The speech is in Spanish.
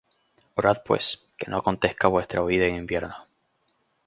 Orad pues, que no acontezca vuestra huída en invierno.